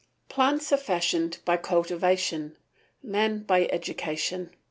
Plants are fashioned by cultivation, man by education.